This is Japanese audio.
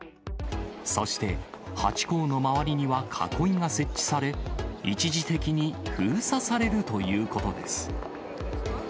そして、ハチ公の周りには囲いが設置され、一時的に封鎖されるということです。